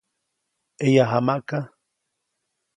ʼEyajamaʼka.